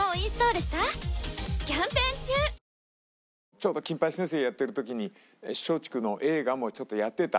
ちょうど『金八先生』やってる時に松竹の映画もちょっとやってた。